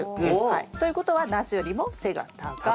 ということはナスよりも背が高い。